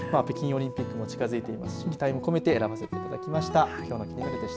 北京オリンピックも近づいていますし期待を込めて選ばせていただきました。